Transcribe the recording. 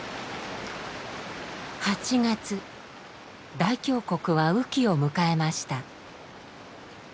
大峡谷は雨季を迎えました。